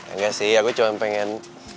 enggak sih aku cuma pengen